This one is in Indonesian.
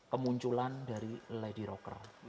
kemunculan dari lady rocker